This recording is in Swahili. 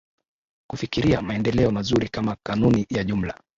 kufikiria maendeleo mazuri Kama kanuni ya jumla